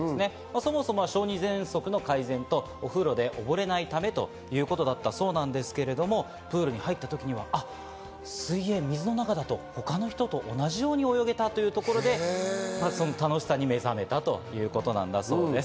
そもそも小児ぜんそくの改善と、お風呂でおぼれないためということだったそうですけど、プールに入った時には水の中だと他の人と同じように泳げたということで、楽しさに目覚めたということなんだそうです。